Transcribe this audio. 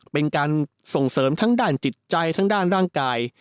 เป็นการส่งเสริมทั้งด้านจิตใจทั้งด้านร่างกาย